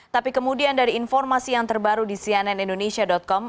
tapi kemudian dari informasi yang terbaru di cnnindonesia com